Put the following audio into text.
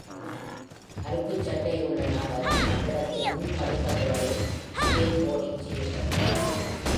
கருப்பு சட்டையில் உள்ள நபர் கட்டிடத்தின் முன் படிகட்டுகளில் skateboarding செய்கிறார்.